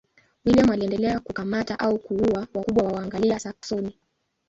William aliendelea kukamata au kuua wakubwa wa Waanglia-Saksoni.